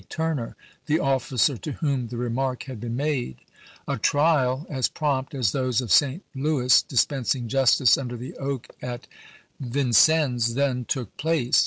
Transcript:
Turner, the officer to whom the re mark had been made. A trial, as prompt as those of St. Louis dispensing justice under the oak at Vin THE EEMOVAL OF McCLELLAN 187 cennes, then took place.